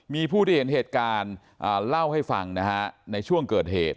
มีผู้ที่เห็นเหตุการณ์เล่าให้ฟังนะฮะในช่วงเกิดเหตุ